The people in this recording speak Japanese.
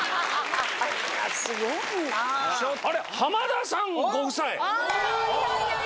浜田さんご夫妻？